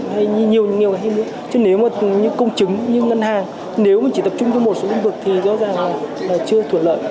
hay nhiều nhiều chứ nếu mà như công chứng như ngân hàng nếu mà chỉ tập trung cho một số lĩnh vực thì rõ ràng là chưa tuần lợi